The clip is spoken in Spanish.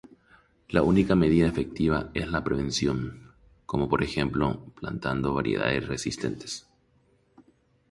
La única medida efectiva es la prevención, como por ejemplo plantando variedades resistentes.